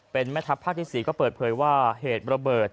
เป็นแม่ทัพภาคที่๔ก็เปิดเผยว่าเหตุระเบิด